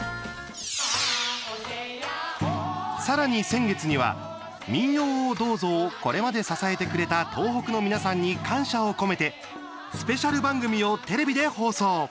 さらに先月には「民謡をどうぞ」をこれまで支えてくれた東北の皆さんに感謝を込めてスペシャル番組をテレビで放送。